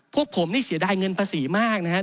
พวกผมนี่เสียดายเงินภาษีมากนะครับ